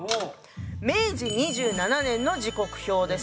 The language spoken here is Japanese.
明治２７年の時刻表です。